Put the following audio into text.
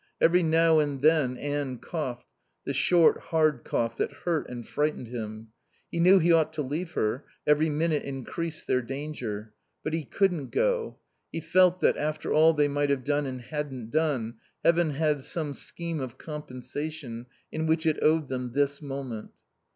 Every now and then Anne coughed, the short, hard cough that hurt and frightened him. He knew he ought to leave her; every minute increased their danger. But he couldn't go. He felt that, after all they might have done and hadn't done, heaven had some scheme of compensation in which it owed them this moment.